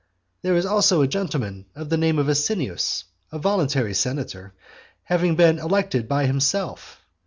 There is also a gentleman of the name of Asinius, a voluntary senator, having been elected by himself.